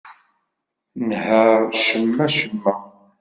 Nheṛ cemma-cemma.